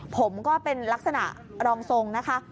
ผมก็เป็นลักษณะรองทรงนะคะ